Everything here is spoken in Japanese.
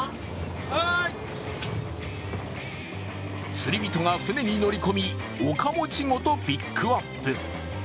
釣り人が船に乗り込みおかもちごとピックアップ。